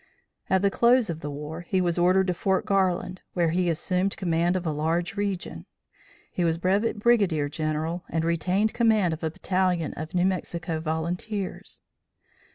At the close of the war, he was ordered to Fort Garland, where he assumed command of a large region. He was Brevet Brigadier General and retained command of a battalion of New Mexico volunteers.